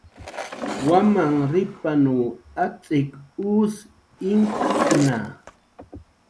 Wamanrripanw atz'ik us inktna